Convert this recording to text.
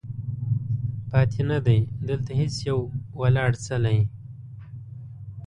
پاتې نه دی، دلته هیڅ یو ولاړ څلی